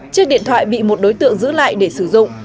chiếc điện thoại bị một đối tượng giữ lại để sử dụng